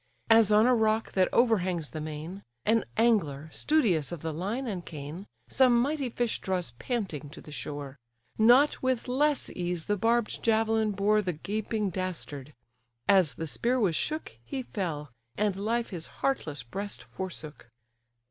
As on a rock that overhangs the main, An angler, studious of the line and cane, Some mighty fish draws panting to the shore: Not with less ease the barbed javelin bore The gaping dastard; as the spear was shook, He fell, and life his heartless breast forsook.